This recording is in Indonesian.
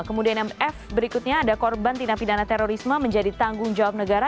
kemudian mf berikutnya ada korban tindak pidana terorisme menjadi tanggung jawab negara